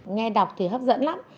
nghe đọc thì hấp dẫn lắm